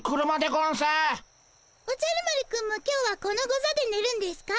おじゃる丸くんも今日はこのゴザでねるんですか？